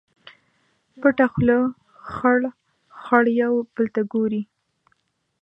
پټه خوله خړ، خړ یو بل ته ګوري